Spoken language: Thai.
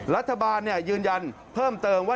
รัฐบาลยืนยันเพิ่มเติมว่า